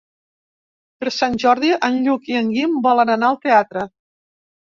Per Sant Jordi en Lluc i en Guim volen anar al teatre.